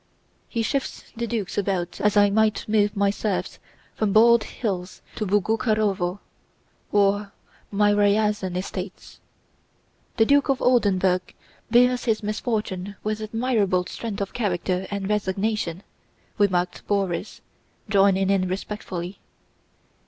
"He shifts the Dukes about as I might move my serfs from Bald Hills to Boguchárovo or my Ryazán estates." "The Duke of Oldenburg bears his misfortunes with admirable strength of character and resignation," remarked Borís, joining in respectfully.